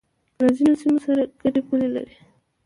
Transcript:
له ځینو سیمو سره گډې پولې لري